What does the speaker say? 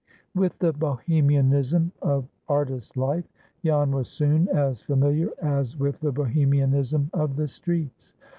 With the Bohemianism of artist life Jan was soon as familiar as with the Bohemianism of the streets.